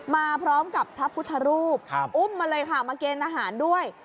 มาพร้อมกับพระพุทธรูปอุ้มมาเลยค่ะมาเกณฑ์ทหารด้วย